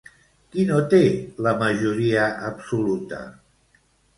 Qui no té la majoria absoluta?